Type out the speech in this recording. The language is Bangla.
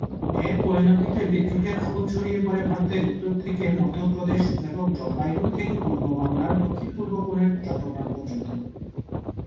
এর পরিণতিতে বিদ্রোহের আগুন ছড়িয়ে পড়ে ভারতের উত্তর থেকে মধ্যপ্রদেশ এবং জলপাইগুড়ি থেকে পূর্ববাংলার দক্ষিণ-পূর্ব কোণের চট্টগ্রাম পর্যন্ত।